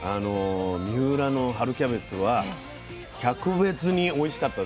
三浦の春キャベツは「格別」においしかったですね。